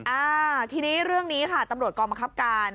อ่าทีนี้เรื่องนี้ค่ะตำรวจกองบังคับการ